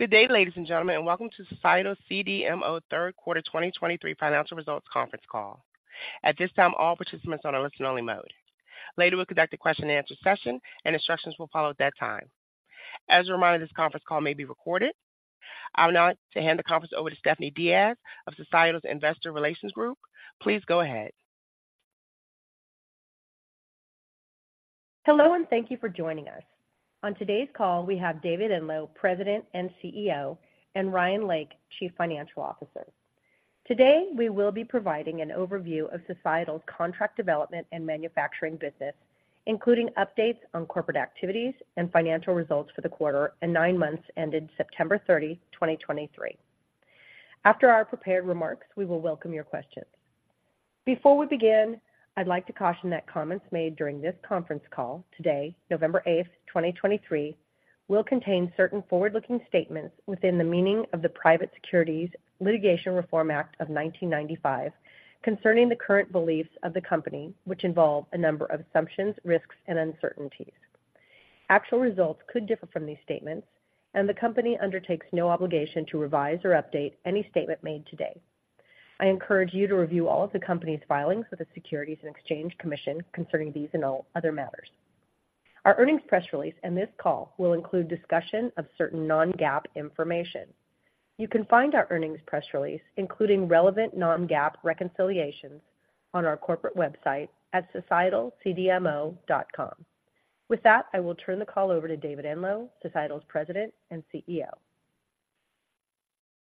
Good day, ladies and gentlemen, and welcome to Societal CDMO Third Quarter 2023 Financial Results Conference Call. At this time, all participants are on a listen-only mode. Later, we'll conduct a question-and-answer session, and instructions will follow at that time. As a reminder, this conference call may be recorded. I would now like to hand the conference over to Stephanie Diaz of Societal's Investor Relations Group. Please go ahead. Hello, and thank you for joining us. On today's call, we have David Enloe, President and CEO, and Ryan Lake, Chief Financial Officer. Today, we will be providing an overview of Societal's contract development and manufacturing business, including updates on corporate activities and financial results for the quarter and nine months ended September 30, 2023. After our prepared remarks, we will welcome your questions. Before we begin, I'd like to caution that comments made during this conference call today, November 8th, 2023, will contain certain forward-looking statements within the meaning of the Private Securities Litigation Reform Act of 1995, concerning the current beliefs of the company, which involve a number of assumptions, risks, and uncertainties. Actual results could differ from these statements, and the company undertakes no obligation to revise or update any statement made today. I encourage you to review all of the company's filings with the Securities and Exchange Commission concerning these and all other matters. Our earnings press release and this call will include discussion of certain non-GAAP information. You can find our earnings press release, including relevant non-GAAP reconciliations, on our corporate website at societalcdmo.com. With that, I will turn the call over to David Enloe, Societal's President and CEO.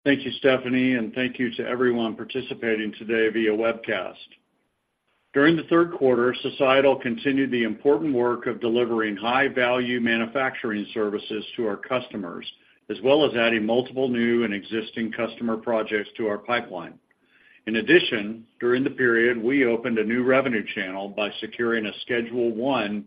Thank you, Stephanie, and thank you to everyone participating today via webcast. During the third quarter, Societal continued the important work of delivering high-value manufacturing services to our customers, as well as adding multiple new and existing customer projects to our pipeline. In addition, during the period, we opened a new revenue channel by securing a Schedule I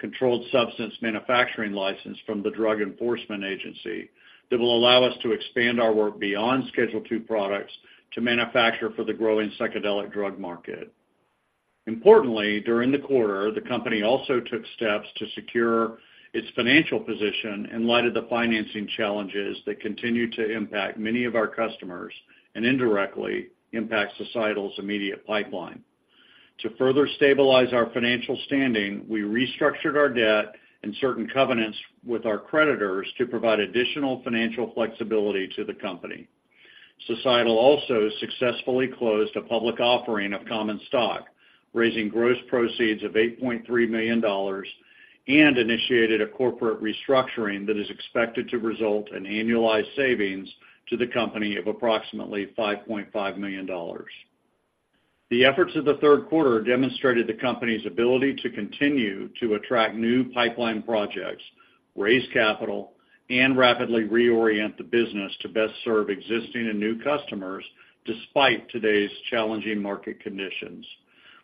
controlled substance manufacturing license from the Drug Enforcement Administration that will allow us to expand our work beyond Schedule II products to manufacture for the growing psychedelic drug market. Importantly, during the quarter, the company also took steps to secure its financial position in light of the financing challenges that continue to impact many of our customers and indirectly impact Societal's immediate pipeline. To further stabilize our financial standing, we restructured our debt and certain covenants with our creditors to provide additional financial flexibility to the company. Societal also successfully closed a public offering of common stock, raising gross proceeds of $8.3 million, and initiated a corporate restructuring that is expected to result in annualized savings to the company of approximately $5.5 million. The efforts of the third quarter demonstrated the company's ability to continue to attract new pipeline projects, raise capital, and rapidly reorient the business to best serve existing and new customers, despite today's challenging market conditions.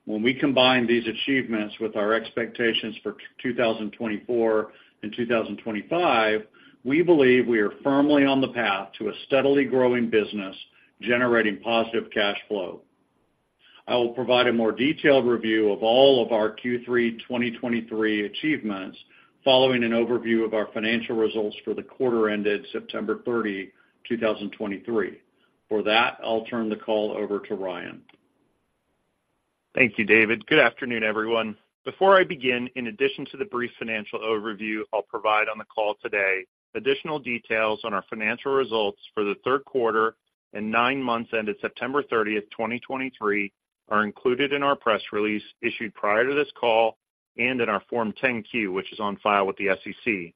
When we combine these achievements with our expectations for 2024 and 2025, we believe we are firmly on the path to a steadily growing business, generating positive cash flow. I will provide a more detailed review of all of our Q3 2023 achievements following an overview of our financial results for the quarter ended September 30, 2023. For that, I'll turn the call over to Ryan. Thank you, David. Good afternoon, everyone. Before I begin, in addition to the brief financial overview I'll provide on the call today, additional details on our financial results for the third quarter and nine months ended September 30th, 2023, are included in our press release issued prior to this call and in our Form 10-Q, which is on file with the SEC.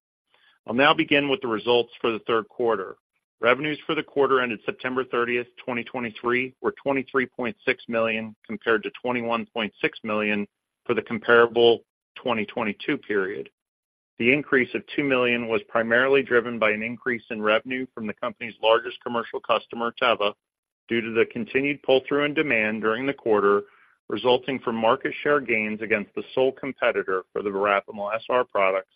I'll now begin with the results for the third quarter. Revenues for the quarter ended September 30th, 2023, were $23.6 million, compared to $21.6 million for the comparable 2022 period. The increase of $2 million was primarily driven by an increase in revenue from the company's largest commercial customer, Teva, due to the continued pull-through and demand during the quarter, resulting from market share gains against the sole competitor for the Verapamil SR products,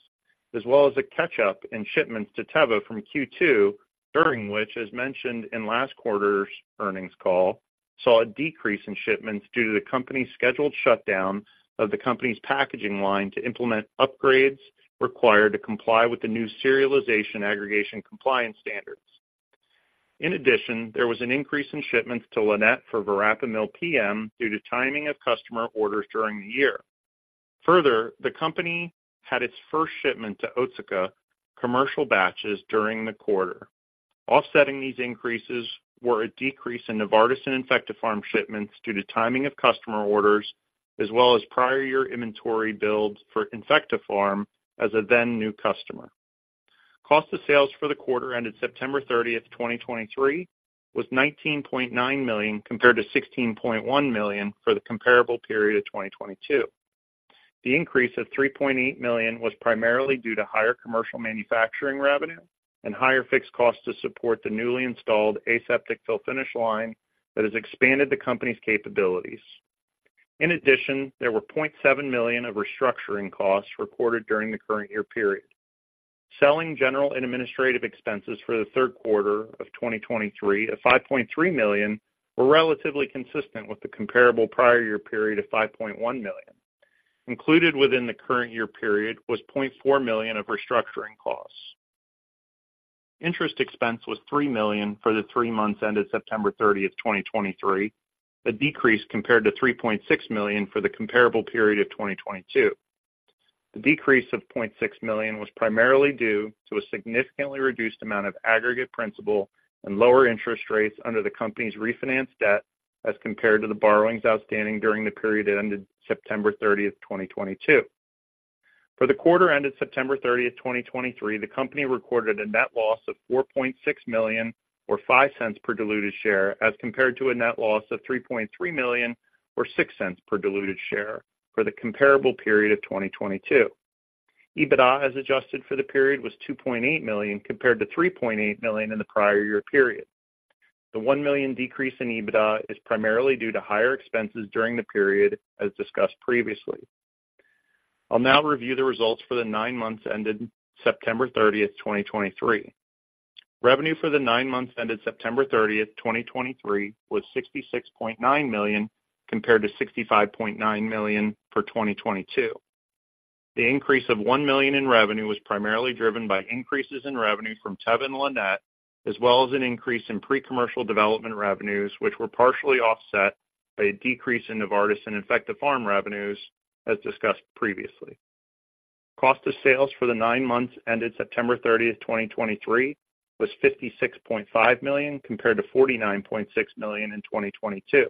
as well as a catch-up in shipments to Teva from Q2, during which, as mentioned in last quarter's earnings call, saw a decrease in shipments due to the company's scheduled shutdown of the company's packaging line to implement upgrades required to comply with the new serialization aggregation compliance standards. In addition, there was an increase in shipments to Lannett for Verapamil PM due to timing of customer orders during the year. Further, the company had its first shipment to Otsuka commercial batches during the quarter. Offsetting these increases were a decrease in Novartis and InfectoPharm shipments due to timing of customer orders, as well as prior year inventory builds for InfectoPharm as a then-new customer. Cost of sales for the quarter ended September 30th, 2023, was $19.9 million, compared to $16.1 million for the comparable period of 2022. The increase of $3.8 million was primarily due to higher commercial manufacturing revenue and higher fixed costs to support the newly installed aseptic fill finish line that has expanded the company's capabilities. In addition, there were $0.7 million of restructuring costs recorded during the current year period. Selling general and administrative expenses for the third quarter of 2023 of $5.3 million were relatively consistent with the comparable prior year period of $5.1 million. Included within the current year period was $0.4 million of restructuring costs. Interest expense was $3 million for the three months ended September 30, 2023, a decrease compared to $3.6 million for the comparable period of 2022. The decrease of $0.6 million was primarily due to a significantly reduced amount of aggregate principal and lower interest rates under the company's refinanced debt as compared to the borrowings outstanding during the period that ended September 30th, 2022. For the quarter ended September 30th, 2023, the company recorded a net loss of $4.6 million, or $0.05 per diluted share, as compared to a net loss of $3.3 million, or $0.06 per diluted share for the comparable period of 2022. EBITDA, as adjusted for the period, was $2.8 million, compared to $3.8 million in the prior year period. The $1 million decrease in EBITDA is primarily due to higher expenses during the period as discussed previously. I'll now review the results for the nine months ended September 30th, 2023. Revenue for the nine months ended September 30th, 2023, was $66.9 million, compared to $65.9 million for 2022. The increase of $1 million in revenue was primarily driven by increases in revenue from Teva and Lannett, as well as an increase in pre-commercial development revenues, which were partially offset by a decrease in Novartis and InfectoPharm revenues, as discussed previously. Cost of sales for the nine months ended September 30th, 2023, was $56.5 million, compared to $49.6 million in 2022.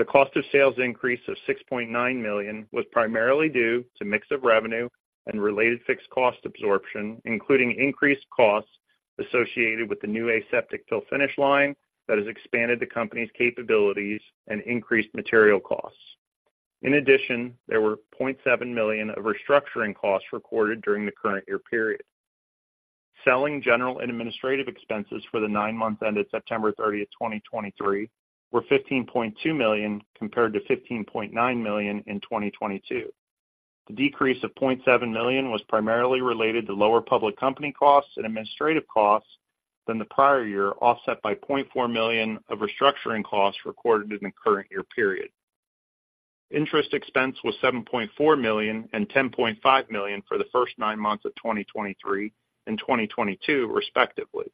The cost of sales increase of $6.9 million was primarily due to mix of revenue and related fixed cost absorption, including increased costs associated with the new aseptic fill finish line that has expanded the company's capabilities and increased material costs. In addition, there were $0.7 million of restructuring costs recorded during the current year period. Selling, general and administrative expenses for the nine months ended September 30th, 2023, were $15.2 million, compared to $15.9 million in 2022. The decrease of $0.7 million was primarily related to lower public company costs and administrative costs than the prior year, offset by $0.4 million of restructuring costs recorded in the current year period. Interest expense was $7.4 million and $10.5 million for the first nine months of 2023 and 2022, respectively.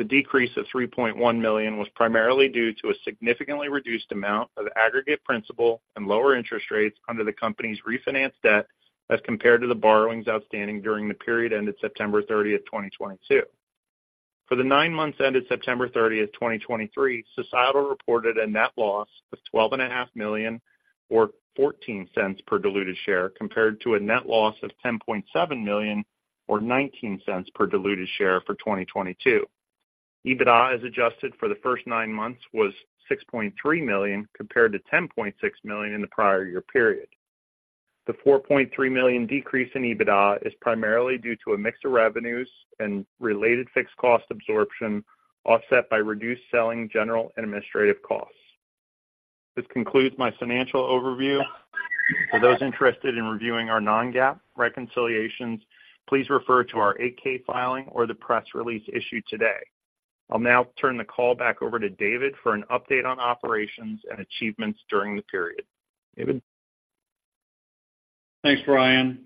The decrease of $3.1 million was primarily due to a significantly reduced amount of aggregate principal and lower interest rates under the company's refinanced debt as compared to the borrowings outstanding during the period ended September 30, 2022. For the nine months ended September 30th, 2023, Societal reported a net loss of $12.5 million, or $0.14 per diluted share, compared to a net loss of $10.7 million, or $0.19 per diluted share for 2022. EBITDA, as adjusted for the first nine months, was $6.3 million, compared to $10.6 million in the prior year period. The $4.3 million decrease in EBITDA is primarily due to a mix of revenues and related fixed cost absorption, offset by reduced selling general and administrative costs. This concludes my financial overview. For those interested in reviewing our non-GAAP reconciliations, please refer to our 8-K filing or the press release issued today. I'll now turn the call back over to David for an update on operations and achievements during the period. David? Thanks, Ryan.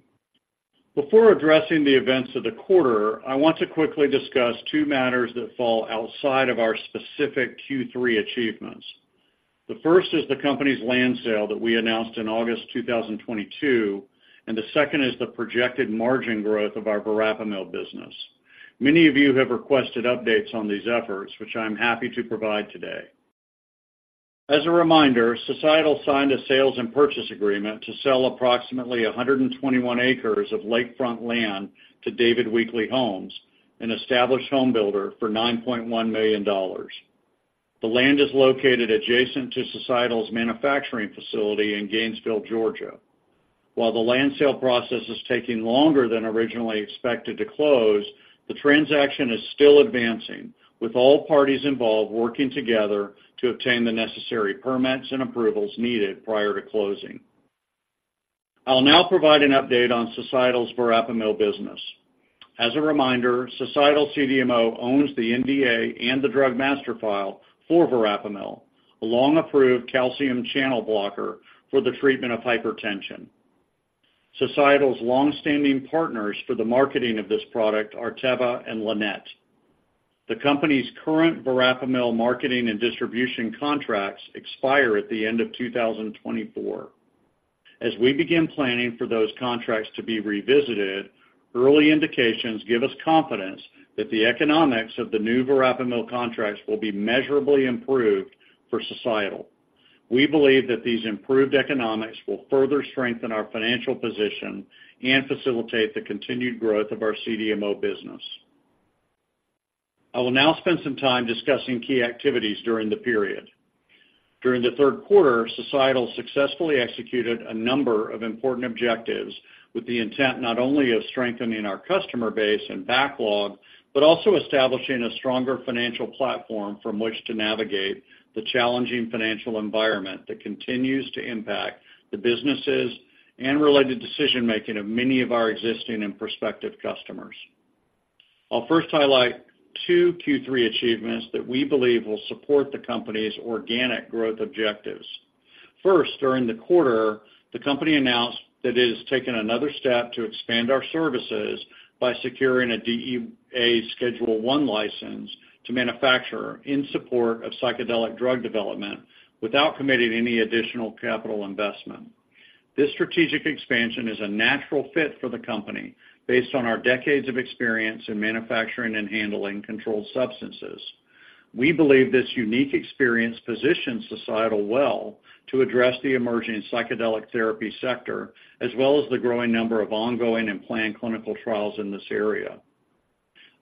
Before addressing the events of the quarter, I want to quickly discuss two matters that fall outside of our specific Q3 achievements. The first is the company's land sale that we announced in August 2022, and the second is the projected margin growth of our Verapamil business. Many of you have requested updates on these efforts, which I'm happy to provide today. As a reminder, Societal signed a sales and purchase agreement to sell approximately 121 acres of lakefront land to David Weekley Homes, an established home builder, for $9.1 million. The land is located adjacent to Societal's manufacturing facility in Gainesville, Georgia. While the land sale process is taking longer than originally expected to close, the transaction is still advancing, with all parties involved working together to obtain the necessary permits and approvals needed prior to closing. I'll now provide an update on Societal's Verapamil business. As a reminder, Societal CDMO owns the NDA and the Drug Master File for Verapamil, a long-approved calcium channel blocker for the treatment of hypertension. Societal's long-standing partners for the marketing of this product are Teva and Lannett. The company's current Verapamil marketing and distribution contracts expire at the end of 2024. As we begin planning for those contracts to be revisited, early indications give us confidence that the economics of the new Verapamil contracts will be measurably improved for Societal. We believe that these improved economics will further strengthen our financial position and facilitate the continued growth of our CDMO business. I will now spend some time discussing key activities during the period. During the third quarter, Societal successfully executed a number of important objectives, with the intent not only of strengthening our customer base and backlog, but also establishing a stronger financial platform from which to navigate the challenging financial environment that continues to impact the businesses and related decision-making of many of our existing and prospective customers. I'll first highlight two Q3 achievements that we believe will support the company's organic growth objectives. First, during the quarter, the company announced that it has taken another step to expand our services by securing a DEA Schedule I license to manufacture in support of psychedelic drug development without committing any additional capital investment. This strategic expansion is a natural fit for the company based on our decades of experience in manufacturing and handling controlled substances. We believe this unique experience positions Societal well to address the emerging psychedelic therapy sector, as well as the growing number of ongoing and planned clinical trials in this area.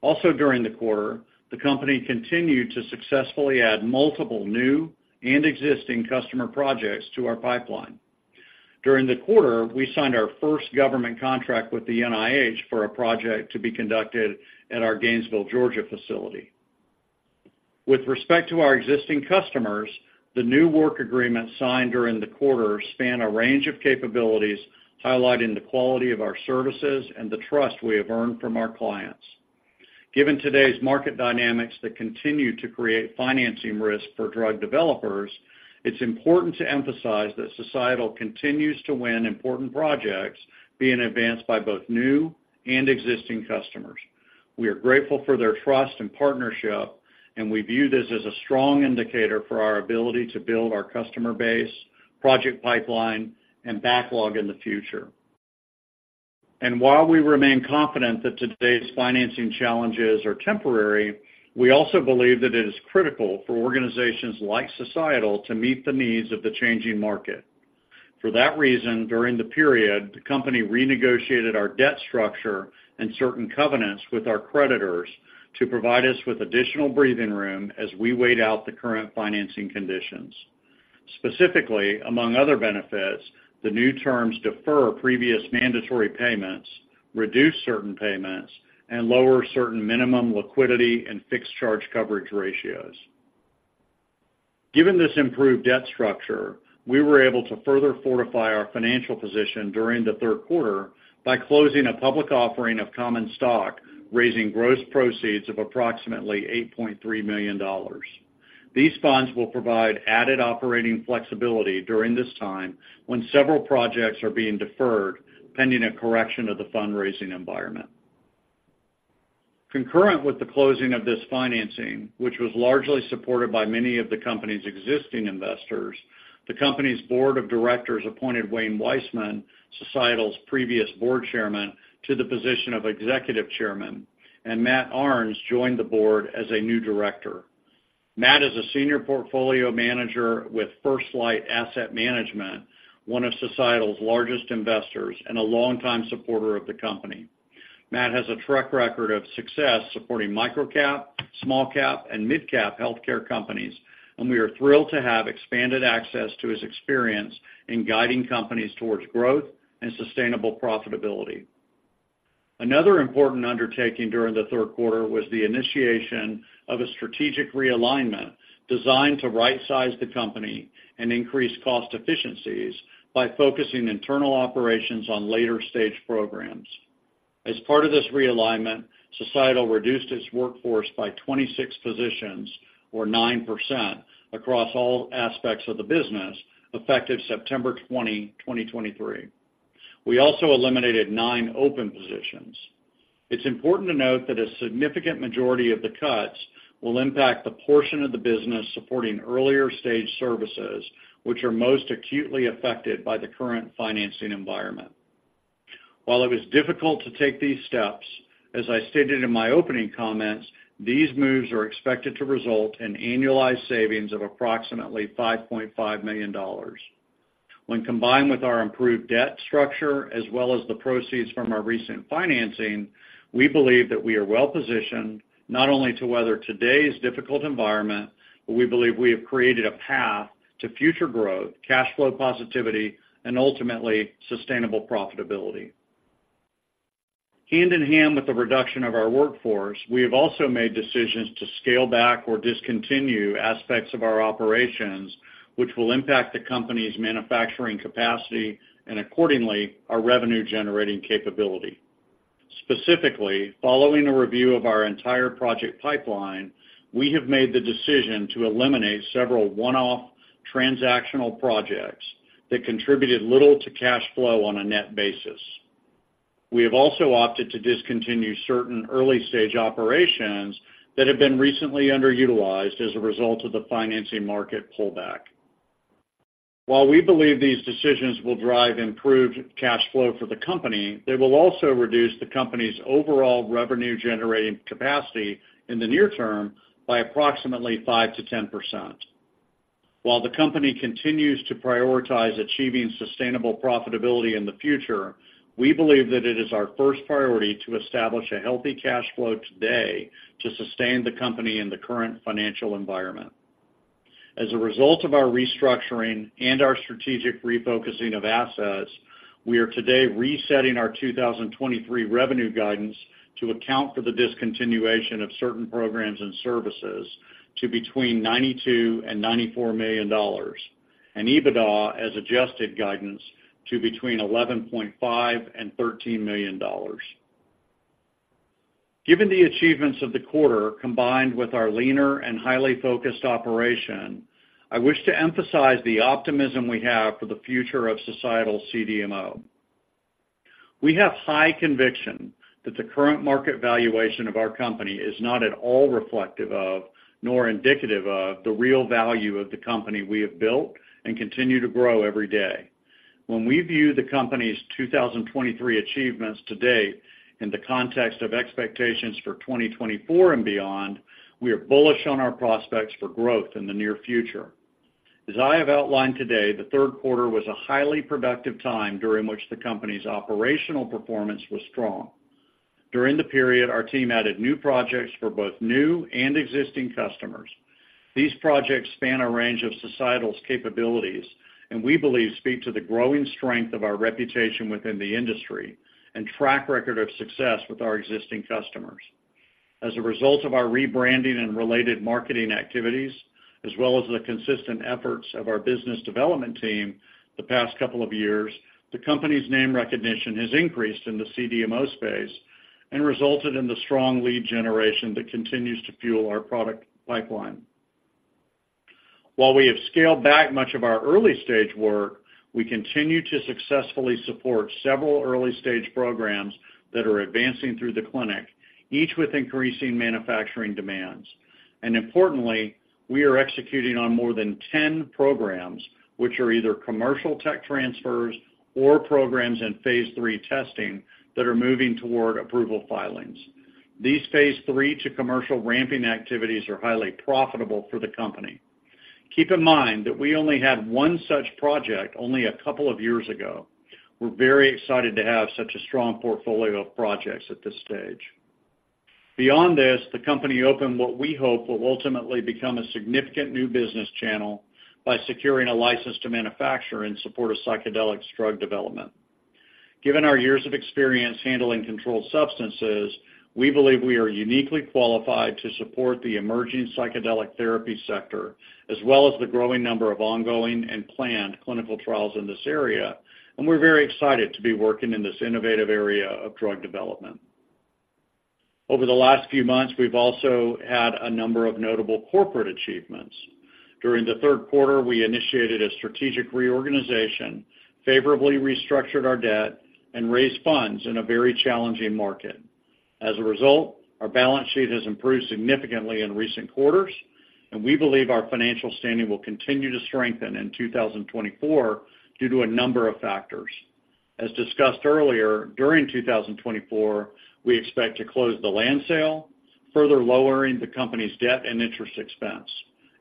Also, during the quarter, the company continued to successfully add multiple new and existing customer projects to our pipeline. During the quarter, we signed our first government contract with the NIH for a project to be conducted at our Gainesville, Georgia, facility. With respect to our existing customers, the new work agreements signed during the quarter span a range of capabilities, highlighting the quality of our services and the trust we have earned from our clients. Given today's market dynamics that continue to create financing risk for drug developers, it's important to emphasize that Societal continues to win important projects being advanced by both new and existing customers. We are grateful for their trust and partnership, and we view this as a strong indicator for our ability to build our customer base, project pipeline, and backlog in the future. And while we remain confident that today's financing challenges are temporary, we also believe that it is critical for organizations like Societal to meet the needs of the changing market. For that reason, during the period, the company renegotiated our debt structure and certain covenants with our creditors to provide us with additional breathing room as we wait out the current financing conditions. Specifically, among other benefits, the new terms defer previous mandatory payments, reduce certain payments, and lower certain minimum liquidity and fixed charge coverage ratios. Given this improved debt structure, we were able to further fortify our financial position during the third quarter by closing a public offering of common stock, raising gross proceeds of approximately $8.3 million. These funds will provide added operating flexibility during this time when several projects are being deferred pending a correction of the fundraising environment. Concurrent with the closing of this financing, which was largely supported by many of the company's existing investors, the company's board of directors appointed Wayne Weisman, Societal's previous board chairman, to the position of executive chairman, and Matt Arens joined the board as a new director. Matt is a senior portfolio manager with First Light Asset Management, one of Societal's largest investors and a longtime supporter of the company. Matt has a track record of success supporting micro-cap, small-cap, and mid-cap healthcare companies, and we are thrilled to have expanded access to his experience in guiding companies towards growth and sustainable profitability. Another important undertaking during the third quarter was the initiation of a strategic realignment designed to rightsize the company and increase cost efficiencies by focusing internal operations on later-stage programs. As part of this realignment, Societal reduced its workforce by 26 positions, or 9%, across all aspects of the business, effective September 20th, 2023. We also eliminated nine open positions. It's important to note that a significant majority of the cuts will impact the portion of the business supporting earlier-stage services, which are most acutely affected by the current financing environment. While it was difficult to take these steps, as I stated in my opening comments, these moves are expected to result in annualized savings of approximately $5.5 million. When combined with our improved debt structure, as well as the proceeds from our recent financing, we believe that we are well positioned not only to weather today's difficult environment, but we believe we have created a path to future growth, cash flow positivity, and ultimately, sustainable profitability. Hand in hand with the reduction of our workforce, we have also made decisions to scale back or discontinue aspects of our operations, which will impact the company's manufacturing capacity and accordingly, our revenue-generating capability. Specifically, following a review of our entire project pipeline, we have made the decision to eliminate several one-off transactional projects that contributed little to cash flow on a net basis. We have also opted to discontinue certain early-stage operations that have been recently underutilized as a result of the financing market pullback. While we believe these decisions will drive improved cash flow for the company, they will also reduce the company's overall revenue-generating capacity in the near term by approximately 5%-10%. While the company continues to prioritize achieving sustainable profitability in the future, we believe that it is our first priority to establish a healthy cash flow today to sustain the company in the current financial environment. As a result of our restructuring and our strategic refocusing of assets, we are today resetting our 2023 revenue guidance to account for the discontinuation of certain programs and services to between $92 million-$94 million... and EBITDA as adjusted guidance to between $11.5 million-$13 million. Given the achievements of the quarter, combined with our leaner and highly focused operation, I wish to emphasize the optimism we have for the future of Societal CDMO. We have high conviction that the current market valuation of our company is not at all reflective of, nor indicative of, the real value of the company we have built and continue to grow every day. When we view the company's 2023 achievements to date in the context of expectations for 2024 and beyond, we are bullish on our prospects for growth in the near future. As I have outlined today, the third quarter was a highly productive time during which the company's operational performance was strong. During the period, our team added new projects for both new and existing customers. These projects span a range of Societal's capabilities, and we believe speak to the growing strength of our reputation within the industry and track record of success with our existing customers. As a result of our rebranding and related marketing activities, as well as the consistent efforts of our business development team the past couple of years, the company's name recognition has increased in the CDMO space and resulted in the strong lead generation that continues to fuel our product pipeline. While we have scaled back much of our early-stage work, we continue to successfully support several early-stage programs that are advancing through the clinic, each with increasing manufacturing demands. Importantly, we are executing on more than 10 programs, which are either commercial tech transfers or programs in phase III testing that are moving toward approval filings. These phase III to commercial ramping activities are highly profitable for the company. Keep in mind that we only had one such project only a couple of years ago. We're very excited to have such a strong portfolio of projects at this stage. Beyond this, the company opened what we hope will ultimately become a significant new business channel by securing a license to manufacture in support of psychedelics drug development. Given our years of experience handling controlled substances, we believe we are uniquely qualified to support the emerging psychedelic therapy sector, as well as the growing number of ongoing and planned clinical trials in this area, and we're very excited to be working in this innovative area of drug development. Over the last few months, we've also had a number of notable corporate achievements. During the third quarter, we initiated a strategic reorganization, favorably restructured our debt, and raised funds in a very challenging market. As a result, our balance sheet has improved significantly in recent quarters, and we believe our financial standing will continue to strengthen in 2024 due to a number of factors. As discussed earlier, during 2024, we expect to close the land sale, further lowering the company's debt and interest expense.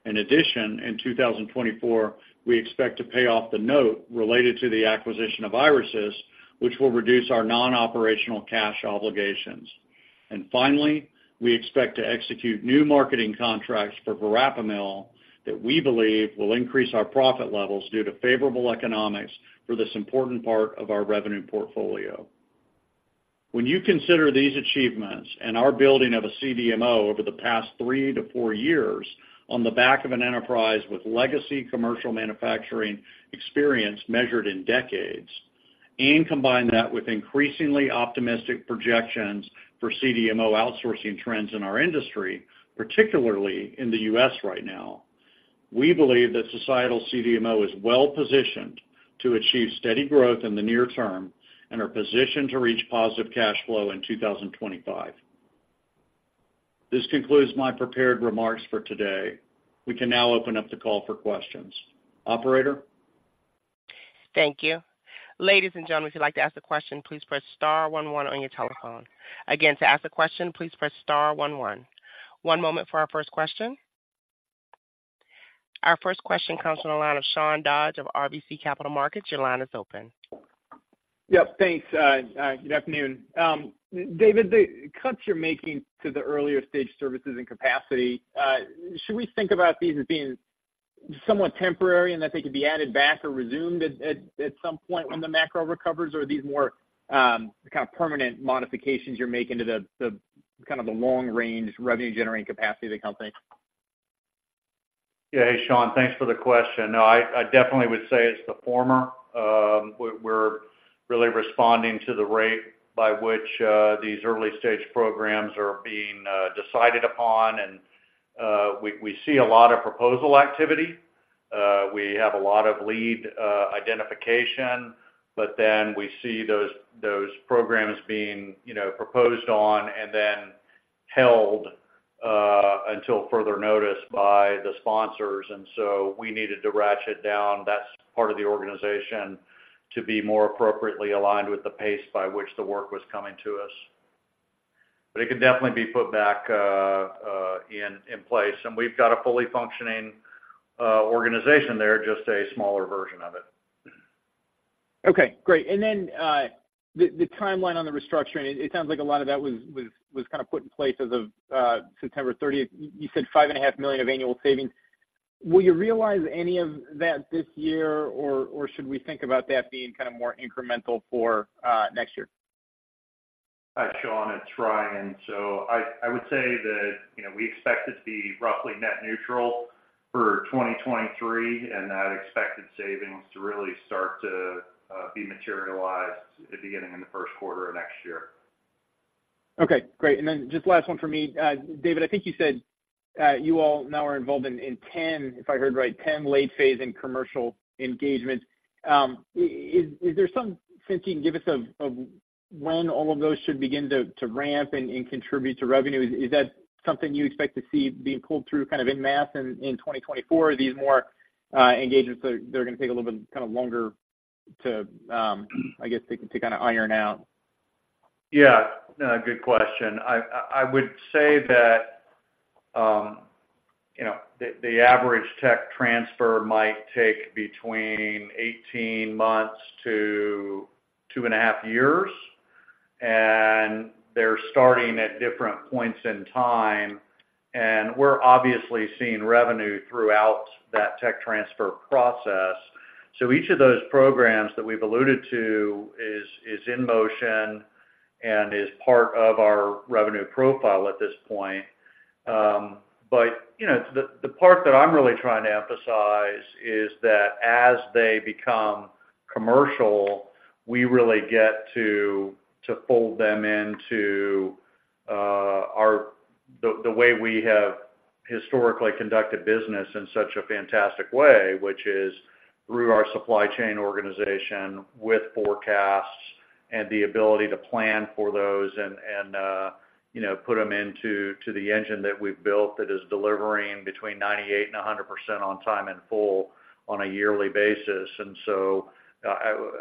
In addition, in 2024, we expect to pay off the note related to the acquisition of IriSys, which will reduce our non-operational cash obligations. And finally, we expect to execute new marketing contracts for Verapamil that we believe will increase our profit levels due to favorable economics for this important part of our revenue portfolio. When you consider these achievements and our building of a CDMO over the past three to four years on the back of an enterprise with legacy commercial manufacturing experience measured in decades, and combine that with increasingly optimistic projections for CDMO outsourcing trends in our industry, particularly in the U.S. right now, we believe that Societal CDMO is well positioned to achieve steady growth in the near term and are positioned to reach positive cash flow in 2025. This concludes my prepared remarks for today. We can now open up the call for questions. Operator? Thank you. Ladies and gentlemen, if you'd like to ask a question, please press star one one on your telephone. Again, to ask a question, please press star one one. One moment for our first question. Our first question comes from the line of Sean Dodge of RBC Capital Markets. Your line is open. Yep. Thanks, good afternoon. David, the cuts you're making to the earlier stage services and capacity, should we think about these as being somewhat temporary and that they could be added back or resumed at some point when the macro recovers? Or are these more, kind of permanent modifications you're making to the long-range revenue-generating capacity of the company? Yeah. Hey, Sean, thanks for the question. No, I definitely would say it's the former. We're really responding to the rate by which these early-stage programs are being decided upon. And we see a lot of proposal activity. We have a lot of lead identification, but then we see those programs being, you know, proposed on and then held until further notice by the sponsors. And so we needed to ratchet down that part of the organization to be more appropriately aligned with the pace by which the work was coming to us. But it can definitely be put back in place, and we've got a fully functioning organization there, just a smaller version of it. Okay, great. And then, the timeline on the restructuring, it sounds like a lot of that was kind of put in place as of September 30th. You said $5.5 million of annual savings. Will you realize any of that this year, or should we think about that being kind of more incremental for next year? ... Hi, Sean, it's Ryan. So I would say that, you know, we expect it to be roughly net neutral for 2023, and that expected savings to really start to be materialized at beginning in the first quarter of next year. Okay, great. And then just last one for me. David, I think you said you all now are involved in 10, if I heard right, 10 late phase in commercial engagements. Is there some sense you can give us of when all of those should begin to ramp and contribute to revenue? Is that something you expect to see being pulled through kind of en masse in 2024? Are these more engagements that they're gonna take a little bit, kind of longer to, I guess, to kind of iron out? Yeah, good question. I would say that, you know, the average tech transfer might take between 18 months to 2.5 years, and they're starting at different points in time, and we're obviously seeing revenue throughout that tech transfer process. So each of those programs that we've alluded to is in motion and is part of our revenue profile at this point. But, you know, the part that I'm really trying to emphasize is that as they become commercial, we really get to fold them into the way we have historically conducted business in such a fantastic way, which is through our supply chain organization, with forecasts and the ability to plan for those and you know, put them into the engine that we've built that is delivering between 98% and 100% on time and full on a yearly basis. And so,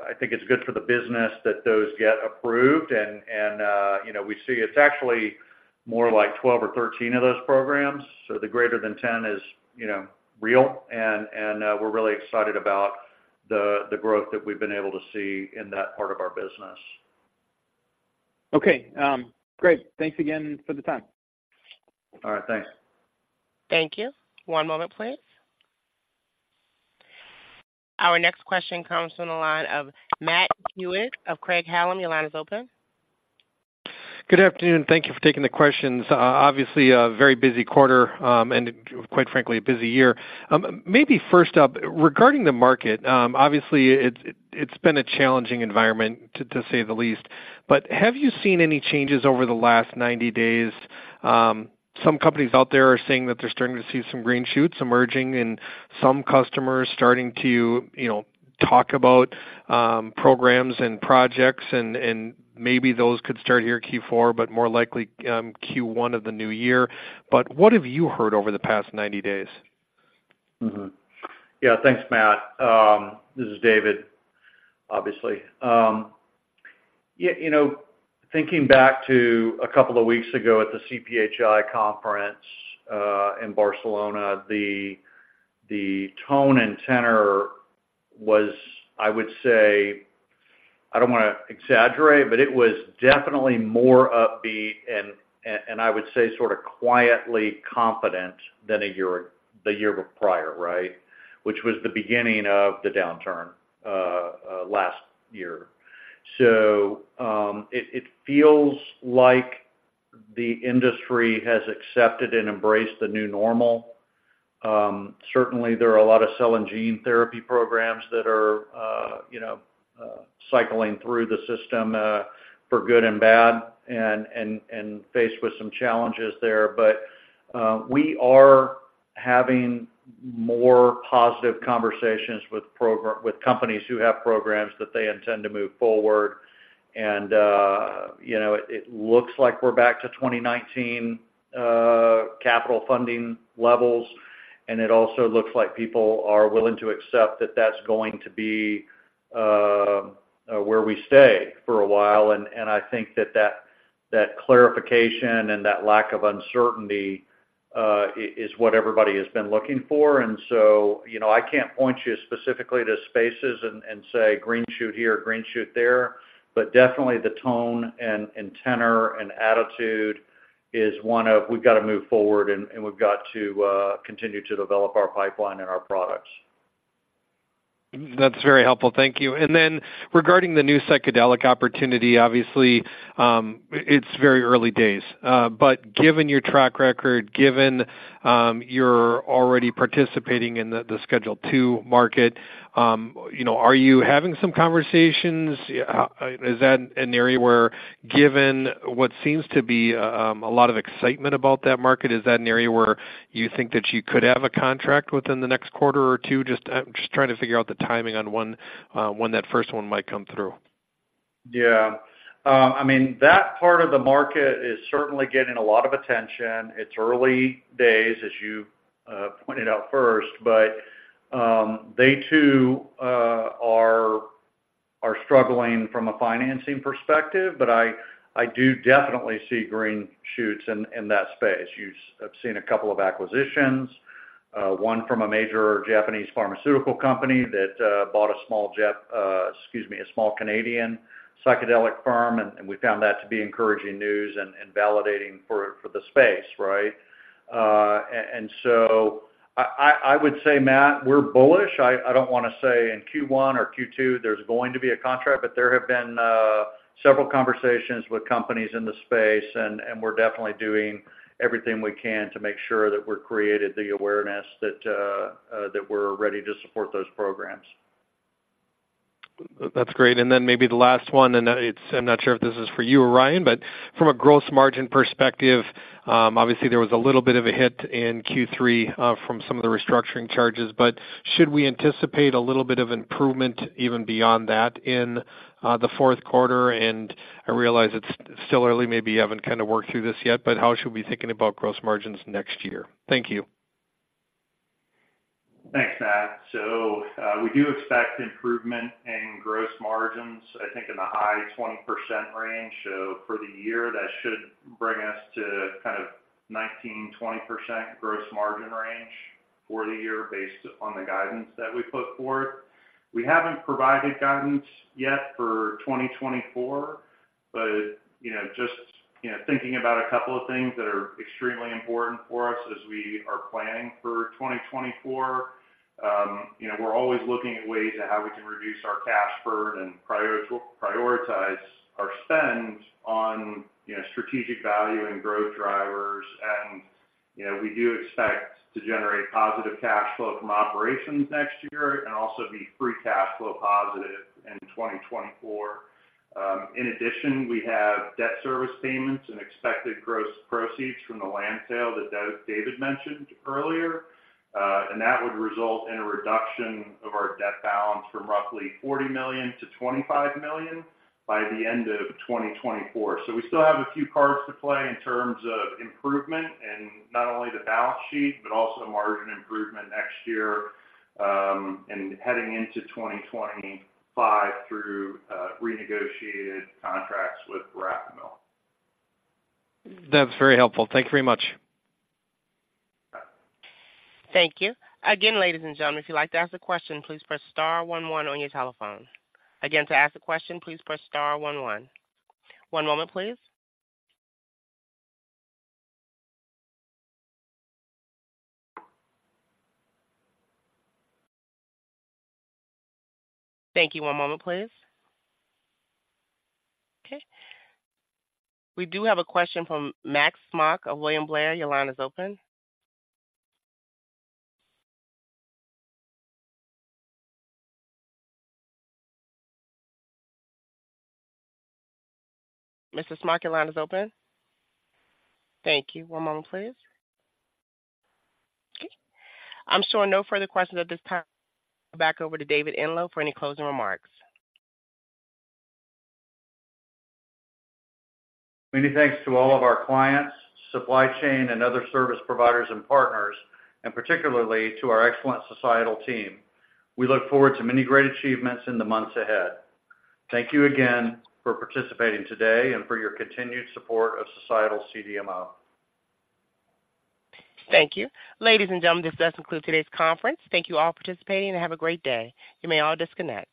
I think it's good for the business that those get approved, and you know, we see it's actually more like 12 or 13 of those programs, so the greater than 10 is, you know, real. We're really excited about the growth that we've been able to see in that part of our business. Okay, great. Thanks again for the time. All right, thanks. Thank you. One moment, please. Our next question comes from the line of Matt Hewitt of Craig-Hallum. Your line is open. Good afternoon. Thank you for taking the questions. Obviously, a very busy quarter, and quite frankly, a busy year. Maybe first up, regarding the market, obviously, it's been a challenging environment, to say the least. But have you seen any changes over the last 90 days? Some companies out there are saying that they're starting to see some green shoots emerging and some customers starting to, you know, talk about, programs and projects, and maybe those could start here Q4, but more likely, Q1 of the new year. But what have you heard over the past 90 days? Mm-hmm. Yeah, thanks, Matt. This is David, obviously. Yeah, you know, thinking back to a couple of weeks ago at the CPHI conference in Barcelona, the tone and tenor was, I would say, I don't wanna exaggerate, but it was definitely more upbeat and I would say, sort of quietly competent than the year prior, right? Which was the beginning of the downturn last year. So, it feels like the industry has accepted and embraced the new normal. Certainly there are a lot of cell and gene therapy programs that are, you know, cycling through the system for good and bad and faced with some challenges there. But, we are having more positive conversations with companies who have programs that they intend to move forward. And, you know, it looks like we're back to 2019 capital funding levels, and it also looks like people are willing to accept that that's going to be where we stay for a while. And I think that clarification and that lack of uncertainty is what everybody has been looking for. And so, you know, I can't point you specifically to spaces and say, green shoot here, green shoot there, but definitely the tone and tenor and attitude is one of: We've got to move forward and we've got to continue to develop our pipeline and our products. That's very helpful. Thank you. And then regarding the new psychedelic opportunity, obviously, it's very early days. But given your track record, given you're already participating in the Schedule II market, you know, are you having some conversations? Is that an area where, given what seems to be a lot of excitement about that market, you think that you could have a contract within the next quarter or two? Just, I'm just trying to figure out the timing on when that first one might come through. Yeah. I mean, that part of the market is certainly getting a lot of attention. It's early days, as you pointed out first, but they too are struggling from a financing perspective. But I do definitely see green shoots in that space. You've-- I've seen a couple of acquisitions, one from a major Japanese pharmaceutical company that bought a small Jap-- excuse me, a small Canadian psychedelic firm, and we found that to be encouraging news and validating for the space, right? And so I would say, Matt, we're bullish. I don't wanna say in Q1 or Q2 there's going to be a contract, but there have been several conversations with companies in the space, and we're definitely doing everything we can to make sure that we've created the awareness that we're ready to support those programs. That's great. And then maybe the last one, and, it's - I'm not sure if this is for you or Ryan, but from a gross margin perspective, obviously there was a little bit of a hit in Q3, from some of the restructuring charges. But should we anticipate a little bit of improvement even beyond that in, the fourth quarter? And I realize it's still early, maybe you haven't kind of worked through this yet, but how should we be thinking about gross margins next year? Thank you. Thanks, Matt. So, we do expect improvement in gross margins, I think, in the high 20% range. So for the year, that should bring us to kind of 19%-20% gross margin range for the year based upon the guidance that we put forth. We haven't provided guidance yet for 2024, but, you know, just, you know, thinking about a couple of things that are extremely important for us as we are planning for 2024. You know, we're always looking at ways at how we can reduce our cash burn and prioritize our spend on, you know, strategic value and growth drivers. And, you know, we do expect to generate positive cash flow from operations next year and also be free cash flow positive in 2024. In addition, we have debt service payments and expected gross proceeds from the land sale that David mentioned earlier, and that would result in a reduction of our debt balance from roughly $40 million-$25 million by the end of 2024. So we still have a few cards to play in terms of improvement in not only the balance sheet, but also margin improvement next year, and heading into 2025 through, renegotiated contracts with Verapamil. That's very helpful. Thank you very much. Thank you. Again, ladies and gentlemen, if you'd like to ask a question, please press star one one on your telephone. Again, to ask a question, please press star one one. One moment, please. Thank you. One moment, please. Okay, we do have a question from Max Smock of William Blair. Your line is open. Mr. Smock, your line is open? Thank you. One moment, please. Okay, I'm showing no further questions at this time. Back over to David Enloe for any closing remarks. Many thanks to all of our clients, supply chain, and other service providers and partners, and particularly to our excellent Societal team. We look forward to many great achievements in the months ahead. Thank you again for participating today and for your continued support of Societal CDMO. Thank you. Ladies and gentlemen, this does conclude today's conference. Thank you all for participating, and have a great day. You may all disconnect.